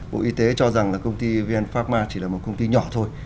bộ y tế cho rằng là công ty vn pharma chỉ là một công ty nhỏ thôi